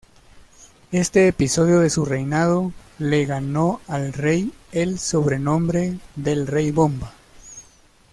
Este episodio de su reinado le ganó al rey el sobrenombre del Rey Bomba.